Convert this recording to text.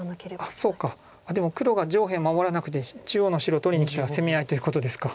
そうかでも黒が上辺を守らなくて中央の白を取りにきたら攻め合いということですか。